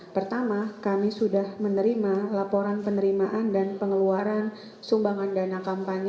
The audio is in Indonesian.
pertama kami sudah menerima laporan penerimaan dan pengeluaran sumbangan dana kampanye